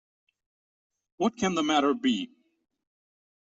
What Can the Matter Be?